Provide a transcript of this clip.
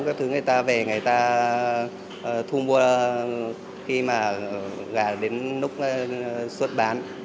các thứ người ta về người ta thu mua khi mà gà đến lúc xuất bán